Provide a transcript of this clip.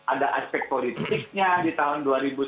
ada aspek politiknya di tahun